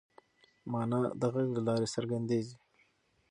مانا د غږ له لارې څرګنديږي.